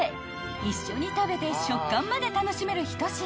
一緒に食べて食感まで楽しめる一品］